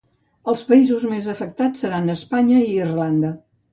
El països més afectats seran Espanya i Irlanda.